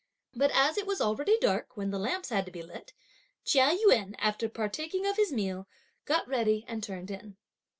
But as it was already dark, when the lamps had to be lit, Chia Yün, after partaking of his meal, got ready and turned in.